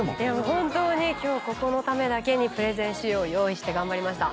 本当に今日ここのためだけにプレゼン資料を用意して頑張りました。